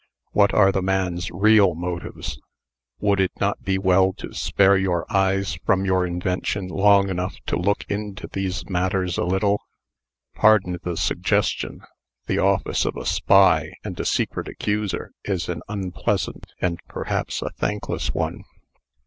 What are the man's real motives? Would it not be well to spare your eyes from your invention long enough to look into these matters a little? Pardon the suggestion. The office of a spy, and a secret accuser, is an unpleasant, and, perhaps, a thankless one.